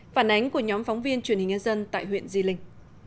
phản ánh của nhóm phóng viên truyền hình nhân dân tại huyện di linh